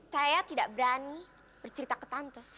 saya tidak berani bercerita ke tante